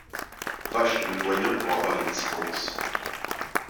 Va chez le doyen pour avoir les dispenses.